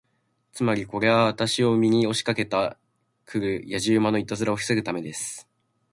つまり、これは私を見に押しかけて来るやじ馬のいたずらを防ぐためです。